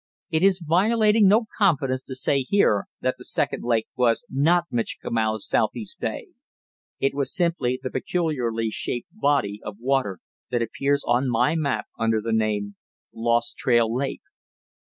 It is violating no confidence to say here that the second lake was not Michikamau's southeast bay; it was simply the peculiarly shaped body of water that appears on my map under the name, Lost Trail Lake.